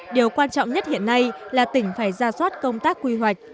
điều quan trọng nhất hiện nay là tỉnh phải ra soát công tác quy hoạch